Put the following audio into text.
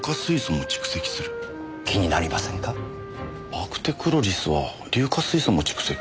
バクテクロリスは硫化水素も蓄積。